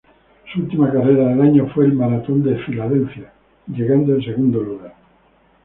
Su última carrera del año fue la maratón de Filadelfia, llegando en segundo lugar.